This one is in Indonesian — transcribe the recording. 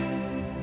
doi balu jadi tuker